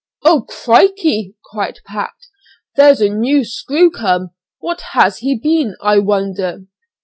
"Oh! crikey," cried Pat, "here's a new screw come; what has he been, I wonder?"